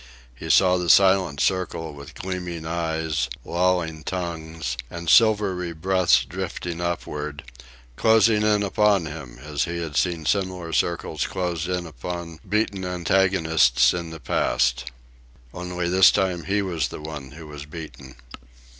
He saw the silent circle, with gleaming eyes, lolling tongues, and silvery breaths drifting upward, closing in upon him as he had seen similar circles close in upon beaten antagonists in the past. Only this time he was the one who was beaten.